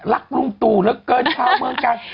รักลุงตู่แล้วเกินข้าวเมื่อกัน